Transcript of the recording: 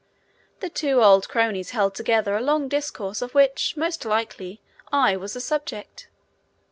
The two old cronies held together a long discourse of which, most likely, I was the subject.